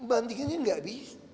bandinginnya enggak b